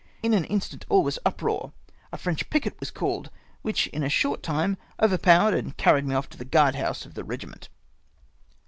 In an instant A DUEL. 105 all was uproar ; a French picket was called, which in a short time overpowered and carried me off to the guard house of the regiment.